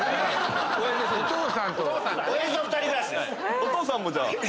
お父さんもじゃあ。